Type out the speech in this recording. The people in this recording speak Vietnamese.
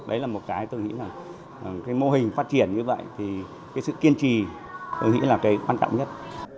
đấy là một cái tôi nghĩ là cái mô hình phát triển như vậy thì cái sự kiên trì tôi nghĩ là cái quan trọng nhất